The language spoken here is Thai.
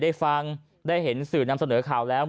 ได้ฟังได้เห็นสื่อนำเสนอข่าวแล้ว